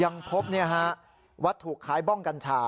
ยังพบวัตถุคล้ายบ้องกัญชา